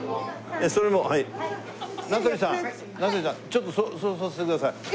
ちょっとそうさせてください。